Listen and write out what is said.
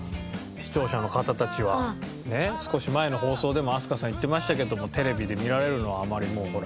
視聴者の方たちはねっ少し前の放送でも飛鳥さん言ってましたけどもテレビで見られるのはあまりもうほら。